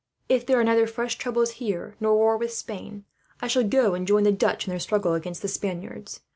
"If there are neither fresh troubles here, nor war with Spain, I shall go and join the Dutch in their struggle against the Spaniards.